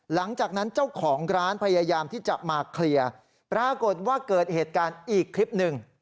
หลังจากนั้นเจ้าของร้านพยายามที่จะมาเคลียร์ปรากฏว่าเกิดเหตุการณ์อีกคลิปหนึ่ง